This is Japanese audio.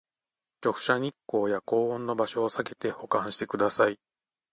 直射日光や高温の場所をさけて保管してください